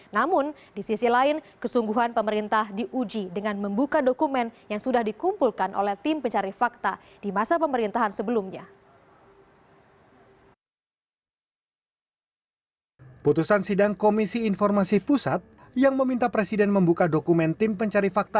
namun di sisi lain kesungguhan pemerintah diuji dengan membuka dokumen yang sudah dikumpulkan oleh tim pencari fakta di masa pemerintahan sebelumnya